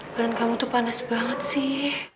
badan kamu tuh panas banget sih